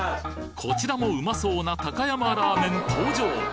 こちらもうまそうな高山ラーメン登場！